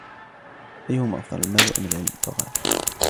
أَيُّمَا أَفْضَلُ الْمَالُ أَمْ الْعِلْمُ ؟ فَقَالَ